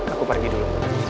aku pergi dulu